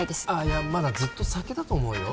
いやまだずっと先だと思うよ